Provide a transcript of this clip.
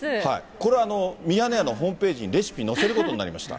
これは、ミヤネ屋のホームページにレシピ載せることになりました。